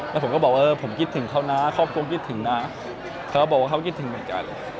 แล้วผมก็บอกว่าเออผมกินถึงเขานะครอบครัวกินถึงนะเขาก็บอกว่าเขากินถึงเป็นใจเลย